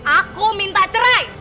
aku minta cerai